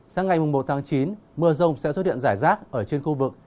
sáng ngày một tháng chín mưa rông sẽ xuất điện giải rác ở trên khu vực